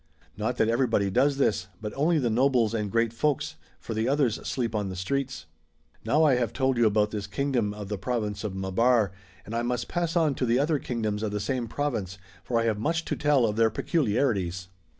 Not that everybody does this, but only the nobles and great folks, for the others sleep on the streets.'^] Now I have told you about this kingdom of the pro vince of Maabar, and I must pass on to the other kingdoms of the same province, for I have much to tell of their pecu liarities.